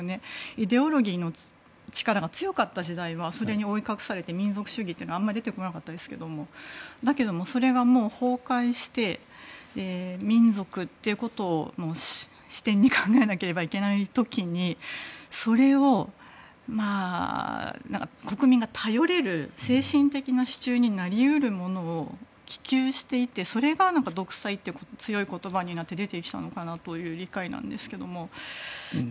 イデオロギーの力が強かった時代はそれに覆いかぶされて民族主義はあまり出てこなかったですがだけども、それが崩壊して民族ということを視点に考えないといけない時にそれを国民が頼れる精神的な支柱になり得るものを希求していて、それが独裁という強い言葉になって出てきたかなという理解なんですけども。